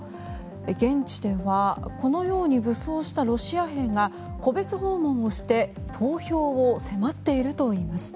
現地ではこのように武装したロシア兵が戸別訪問をして投票を迫っているといいます。